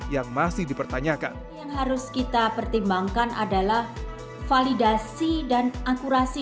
yang masih dipertanyakan yang harus kita pertimbangkan adalah validasi dan akurasi